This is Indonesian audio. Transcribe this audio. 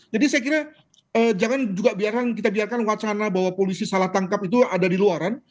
jadi saya kira jangan juga kita biarkan wacana bahwa polisi salah tangkap itu ada di luaran